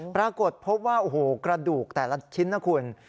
ปรากฏพบว่าโอ้โหกระดูกแต่ละชิ้นนะคุณ